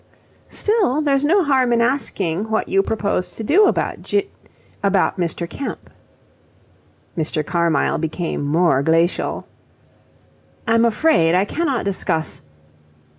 "Still, there's no harm in asking what you propose to do about Gin about Mr. Kemp." Mr. Carmyle became more glacial. "I'm afraid I cannot discuss..."